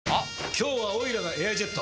今日はオイラが「エアジェット」！